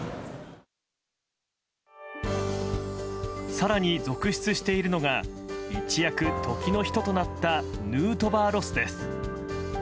更に、続出しているのが一躍、時の人となったヌートバーロスです。